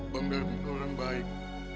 bang darmu itu orang baik